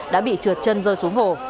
đã bị trượt chân rơi xuống hồ